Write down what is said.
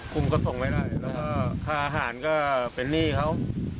คุมก็ส่งไม่ได้แล้วก็ค่าอาหารก็เป็นหนี้เขา